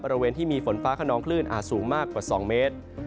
บริเวณที่มีฝนฟ้าขนองคลื่นอาจสูงมากกว่า๒เมตร